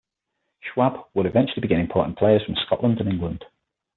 Schwab would eventually begin importing players from Scotland and England.